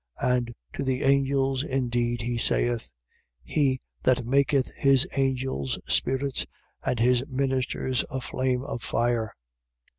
1:7. And to the angels indeed he saith: He that maketh his angels spirits and his ministers a flame of fire.